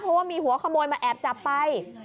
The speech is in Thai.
เพราะว่ามีหัวขโมยมาแอบจับไป